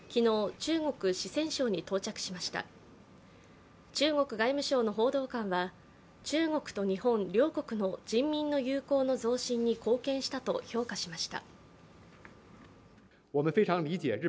中国外務省の報道官は中国と日本両国の人民の友好の増進に貢献したと評価しました。